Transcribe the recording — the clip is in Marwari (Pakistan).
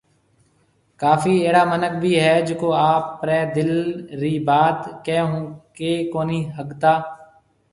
ڪافي اهڙا منک ڀِي هي جڪو آپرِي دل رِي بات ڪي ھون ڪهيَ ڪونهي ݾگتا